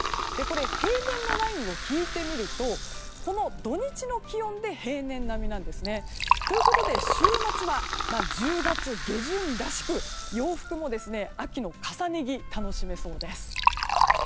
平年のラインを引いてみると土日の気温で平年並みなんですね。ということで週末は１０月下旬らしく洋服も秋の重ね着が楽しめそうです。